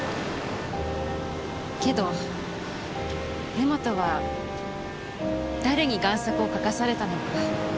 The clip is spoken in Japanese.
けど根本は誰に贋作を描かされたのか